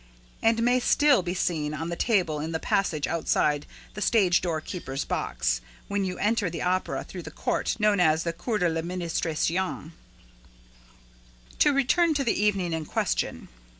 and may still be seen on the table in the passage outside the stage door keeper's box, when you enter the Opera through the court known as the Cour de l'Administration. To return to the evening in question.